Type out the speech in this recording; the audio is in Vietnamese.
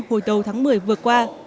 hồi đầu tháng một mươi vừa qua